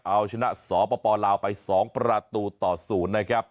เอาชนะสปลาวไป๒ประตูต่อ๐นะครับ